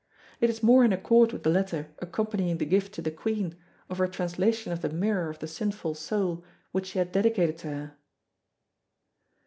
It is more in accord with the letter accompanying the gift to the Queen, of her translation of the Mirror of the Sinful Soul which she had dedicated to her.